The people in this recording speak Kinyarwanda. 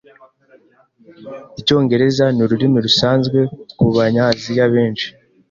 Icyongereza ni ururimi rusanzwe kubanya Aziya benshi.